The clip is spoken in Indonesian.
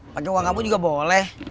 pakai uang kamu juga boleh